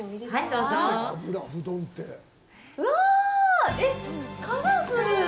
うわあ、カラフル。